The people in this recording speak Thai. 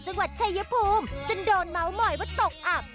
จังหวัดชายภูมิจนโดนเมาส์มอยว่าตกอับ